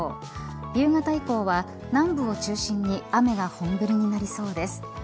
夕方以降は南部を中心に雨が本降りになりそうです。